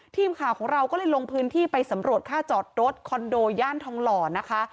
ทีมข่าวของเราก็เลยลงพื้นที่ไปสำรวจค่าจอดรถคอนโดย่านทองหล่อนะคะ